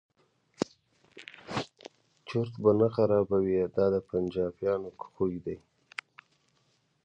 چرت به نه خرابوي دا د پنجابیانو خوی دی.